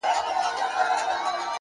یوه ورځ به دي چیچي؛ پر سپینو لېچو؛